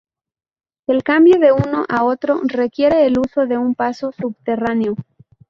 El cambio de uno a otro requiere el uso de un paso subterráneo.